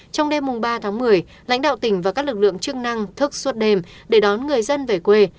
trong đêm ba tháng một mươi lãnh đạo tỉnh và các lực lượng chức năng thức suốt đêm để đón người dân về quê